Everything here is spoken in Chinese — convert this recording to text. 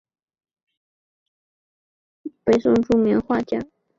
北宋著名画家。